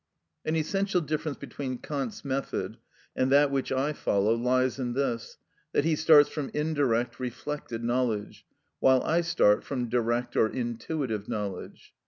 An essential difference between Kant's method and that which I follow lies in this, that he starts from indirect, reflected knowledge, while I start from direct or intuitive knowledge.